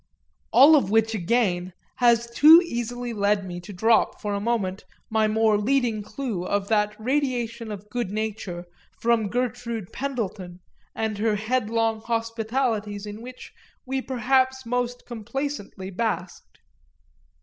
All of which again has too easily led me to drop for a moment my more leading clue of that radiation of goodnature from Gertrude Pendleton and her headlong hospitalities in which we perhaps most complacently basked.